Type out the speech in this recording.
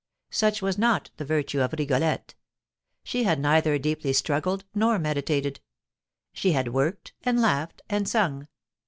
Such was not the virtue of Rigolette. She had neither deeply struggled nor meditated; she had worked, and laughed, and sung.